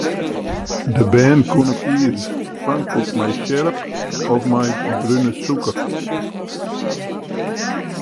De bern koene kieze: pankoek mei sjerp of mei brune sûker.